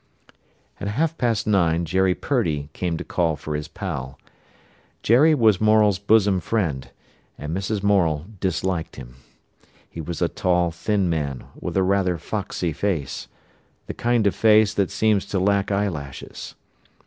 At half past nine Jerry Purdy came to call for his pal. Jerry was Morel's bosom friend, and Mrs. Morel disliked him. He was a tall, thin man, with a rather foxy face, the kind of face that seems to lack eyelashes.